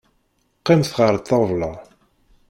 Qqimet ɣer ṭṭabla.